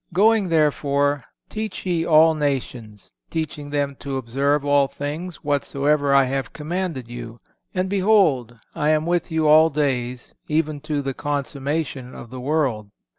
(491) "Going, therefore, teach ye all nations, ... teaching them to observe all things, whatsoever I have commanded you. And, behold, I am with you all days, even to the consummation of the world."